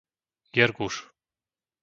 Jerguš